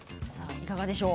いかがでしょう？